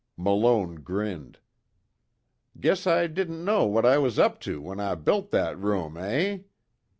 Malone grinned: "Guess I didn't know what I was up to when I built that room, eh?